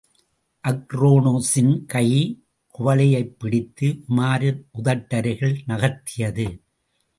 அக்ரோனோஸின் கை, குவளையைப் பிடித்து உமாரின் உதட்டருகிலே நகர்த்தியது.